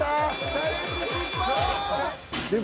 チャレンジ失敗！